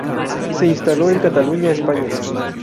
Se instaló en Cataluña, España.